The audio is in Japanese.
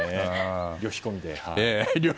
旅費込みで。